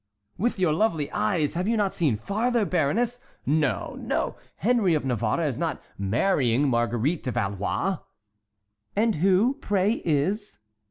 "With your lovely eyes have you not seen farther, baroness? No, no; Henry of Navarre is not marrying Marguerite de Valois." "And who, pray, is?"